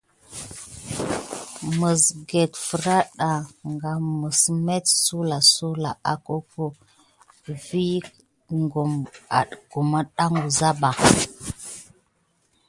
Məsget fraɗa en məs met suwlasuwla akoko vigue kum edawuza ba.